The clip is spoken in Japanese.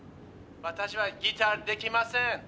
「私はギターできません。